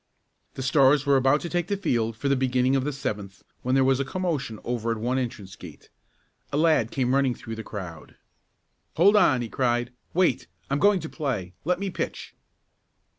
The Stars were about to take the field for the beginning of the seventh when there was a commotion over at one entrance gate. A lad came running through the crowd. "Hold on!" he cried. "Wait! I'm going to play. Let me pitch!"